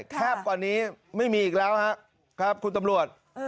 กว่านี้ไม่มีอีกแล้วครับคุณตำรวจ